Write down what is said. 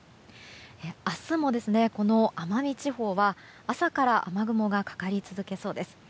明日も奄美地方は、朝から雨雲がかかり続けそうです。